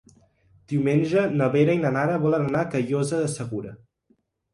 Diumenge na Vera i na Nara volen anar a Callosa de Segura.